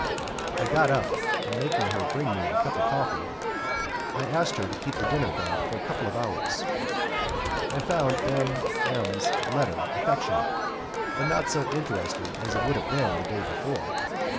I got up, and making her bring me a cup of coffee I asked her to keep the dinner back for a couple of hours. I found M M 's letter affectionate, but not so interesting as it would have been the day before.